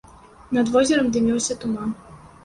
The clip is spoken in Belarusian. Над возерам дыміўся туман.